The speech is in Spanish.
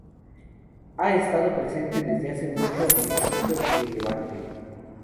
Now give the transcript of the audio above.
Ha estado presente desde hace mucho en Egipto y el Levante.